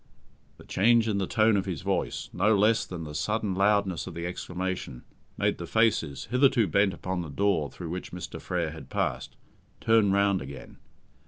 The change in the tone of his voice, no less than the sudden loudness of the exclamation, made the faces, hitherto bent upon the door through which Mr. Frere had passed, turn round again.